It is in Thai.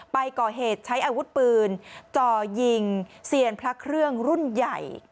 ไปก่อเหตุใช้อาวุธปืนจ่อยิงเซียนพระเครื่องรุ่นใหญ่